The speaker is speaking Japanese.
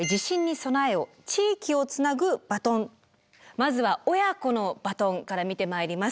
まずは親子のバトンから見てまいります。